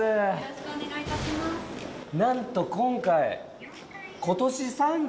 なんと今回。